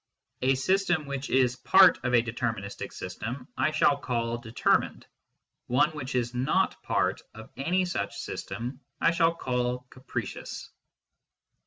A system which is part of a deter ministic system I shall call " determined "; one which is not part of any such system I shall call " capricious."